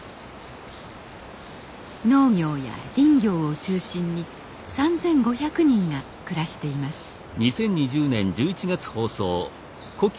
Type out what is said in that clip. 農業や林業を中心に３，５００人が暮らしていますあれ？